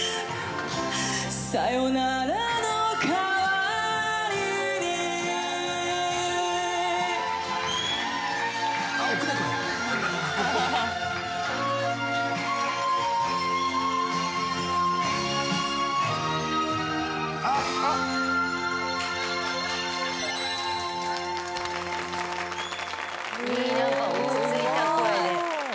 「さよならのかわりに」いい。何か。